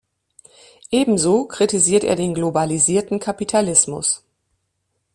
Ebenso kritisiert er den globalisierten Kapitalismus.